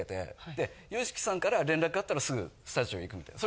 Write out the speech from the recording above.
でＹＯＳＨＩＫＩさんから連絡あったらすぐスタジオ行くみたいな。